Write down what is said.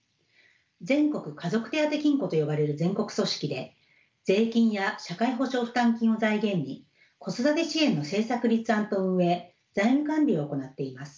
全国家族手当金庫と呼ばれる全国組織で税金や社会保障負担金を財源に子育て支援の政策立案と運営財務管理を行っています。